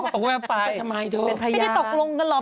ต้องไปทำไมด้วยเป็นพยายามไม่ได้ตกลงกันหรอก